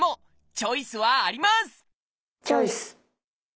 チョイス！